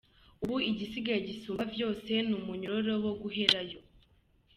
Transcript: Ubu igisigaye gisumba vyose n’umunyororo wo guherayo.